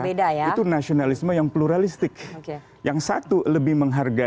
basis politiknya berbeda ya